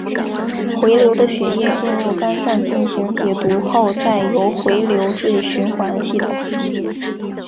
回流的血液进入肝脏进行解毒后再由回流至循环系统。